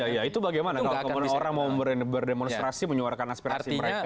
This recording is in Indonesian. ya itu bagaimana kalau kemudian orang mau berdemonstrasi menyuarakan aspirasi mereka